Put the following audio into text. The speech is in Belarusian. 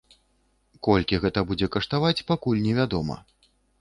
Колькі гэта будзе каштаваць пакуль невядома.